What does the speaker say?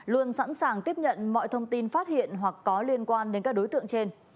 luôn sẵn sàng tiếp nhận mọi thông tin phát hiện hoặc có liên quan đến các đối tượng trên